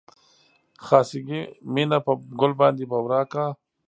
خاصګي مينه په ګل باندې بورا کا